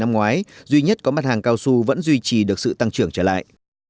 năm ngoái duy nhất có mặt hàng cao su vẫn duy trì được sự tăng trưởng trở lại